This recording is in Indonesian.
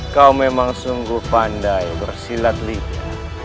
kau memang sungguh pandai bersilat liga